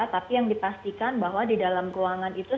tapi yang dipastikan bahwa di dalam ruangan itu